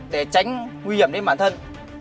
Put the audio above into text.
để tránh nguy hiểm đến bản thân